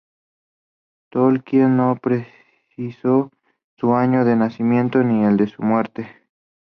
Tolkien no precisó su año de nacimiento ni el de su muerte.